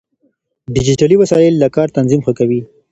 ډيجيټلي وسايل د کار تنظيم ښه کوي.